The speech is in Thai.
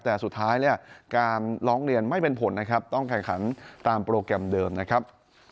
แต่สุดท้ายเนี่ยการร้องเรียนไม่เป็นผลนะครับต้องแข่งขันตามโปรแกรมเดิมนะครับ